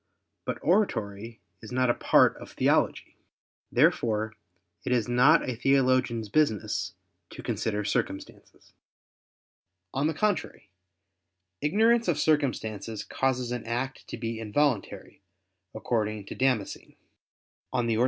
But oratory is not a part of theology. Therefore it is not a theologian's business to consider circumstances. On the contrary, Ignorance of circumstances causes an act to be involuntary, according to Damascene (De Fide Orth.